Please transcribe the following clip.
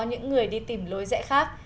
những người đi tìm lối dạy khác